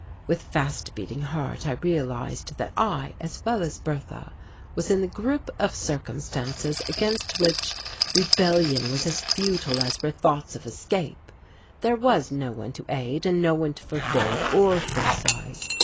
With fast beating heart, I realized that I as well as Bertha was in the grip of circumstances against which rebellion was as futile as were thoughts of escape. There was no one to aid and no one to forbid or criticize.